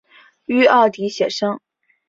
於澳底写生